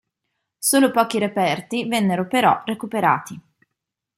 Solo pochi reperti vennero però recuperati.